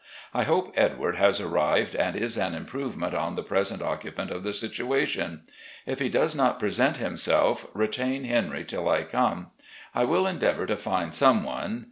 I hope Edward has arrived and is an improvement on the present occupant of the situation. If he does not present himself, retain Henry till I come. I will endeavour to find some one.